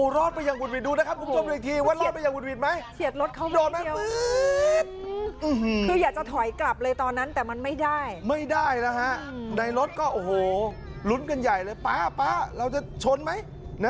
รุ้นเกินใหญ่เลยป๊าเราจะชนไหม